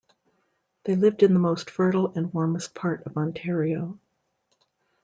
They lived in the most fertile and warmest part of Ontario.